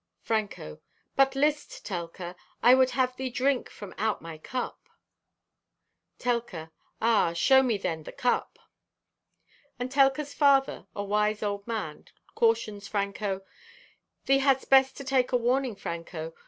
Franco.—"But list, Telka, I would have thee drink from out my cup!" Telka.—"Ah, show me then the cup." And Telka's father, a wise old man, cautions Franco: "Thee hadst best to take a warning, Franco.